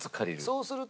そうすると。